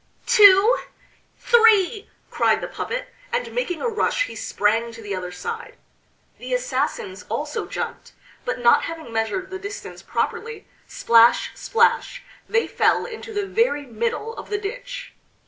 two! three!" cried the puppet, and making a rush he sprang to the other side. The assassins also jumped, but not having measured the distance properly splash, splash!... they fell into the very middle of the ditch.